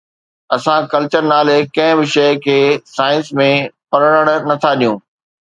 اسان ڪلچر نالي ڪنهن به شيءِ کي سائنس ۾ پرڻڻ نٿا ڏيون.